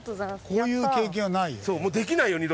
こういう経験はないよね。